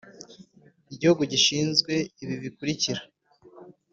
Igihugu gishinzwe ibi bikurikira